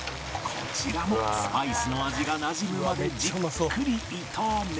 こちらもスパイスの味がなじむまでじっくり炒め